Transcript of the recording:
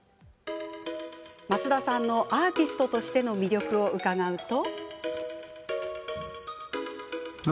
増田さんのアーティストとしての魅力を伺うと。